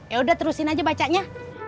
ya udah terusin aja bacanya